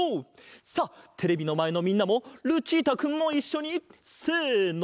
さあテレビのまえのみんなもルチータくんもいっしょにせの！